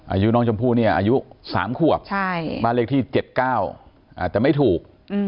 อายุน้องชมพู่เนี่ยอายุ๓ขวบบ้านเลขที่๗๙แต่ไม่ถูก